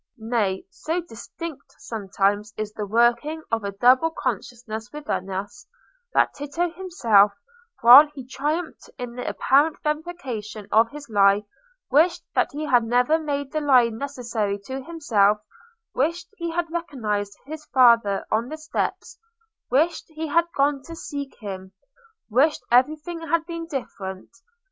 Nay, so distinct sometimes is the working of a double consciousness within us, that Tito himself, while he triumphed in the apparent verification of his lie, wished that he had never made the lie necessary to himself—wished he had recognised his father on the steps—wished he had gone to seek him—wished everything had been different.